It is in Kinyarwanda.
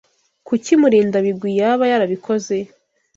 Kuki Murindabigwi yaba yarabikoze?